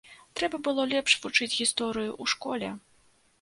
Трэба было лепш вучыць гісторыю ў школе.